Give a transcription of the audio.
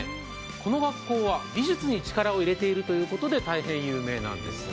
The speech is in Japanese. この学校は美術に力を入れているということで大変有名なんです。